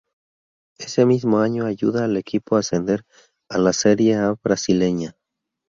Ese mismo año ayuda al equipo a ascender a la Serie A brasileña.